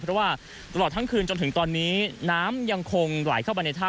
เพราะว่าตลอดทั้งคืนจนถึงตอนนี้น้ำยังคงไหลเข้าไปในถ้ำ